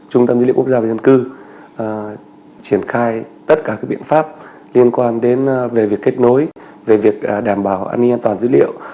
trung tâm dữ liệu quốc gia về dân cư triển khai tất cả các biện pháp liên quan đến về việc kết nối về việc đảm bảo an ninh an toàn dữ liệu